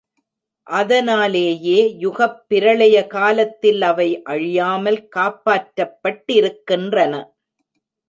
அதனாலேயே யுகப் பிரளய காலத்தில் அவை அழியாமல் காப்பாற்றப்பட்டிருக்கின்றன.